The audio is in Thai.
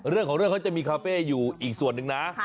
เรื่องของเรื่องเขาจะมีคาเฟ่อยู่อีกส่วนหนึ่งนะ